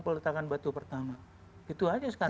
peletakan batu pertama itu aja sekarang